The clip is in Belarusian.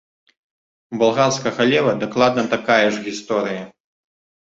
У балгарскага лева дакладна такая ж гісторыя.